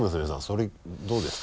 それどうですか？